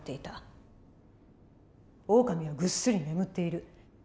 オオカミはぐっすり眠っている。